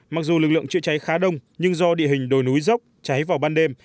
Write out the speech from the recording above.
mặc dù lực lượng chữa cháy khá đông nhưng do địa hình đồi núi dốc cháy vào ban đêm